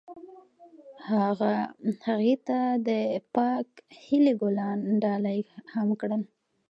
هغه هغې ته د پاک هیلې ګلان ډالۍ هم کړل.